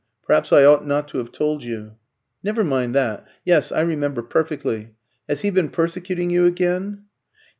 Perhaps I ought not to have told you." "Never mind that. Yes, I remember perfectly. Has he been persecuting you again?"